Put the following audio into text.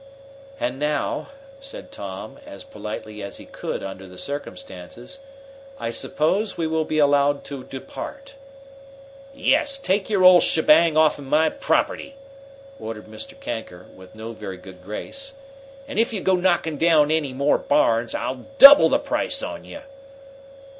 "And now," said Tom, as politely as he could under the circumstances, "I suppose we will be allowed to depart." "Yes, take your old shebang offen my property!" ordered Mr. Kanker, with no very good grace. "And if you go knocking down any more barns, I'll double the price on you!"